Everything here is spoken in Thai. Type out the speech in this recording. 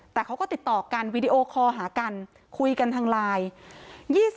แต่เขาก็ติดต่อกันวีดีโอคอลหากันคุยกันทางไลน์